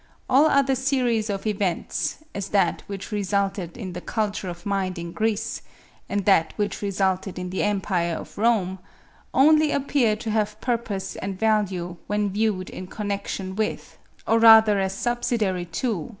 "All other series of events—as that which resulted in the culture of mind in Greece, and that which resulted in the empire of Rome—only appear to have purpose and value when viewed in connection with, or rather as subsidiary to...